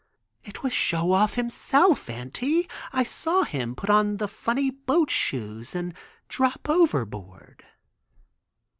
"It was Show Off himself, Auntie, I saw him put on the funny boat shoes and drop overboard."